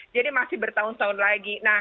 jadi masih bertahun tahun lagi nah